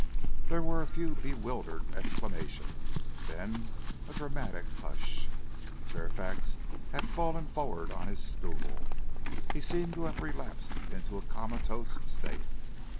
There were a few bewildered exclamations then a dramatic hush. Fairfax had fallen forward on his stool. He seemed to have relapsed into a comatose state.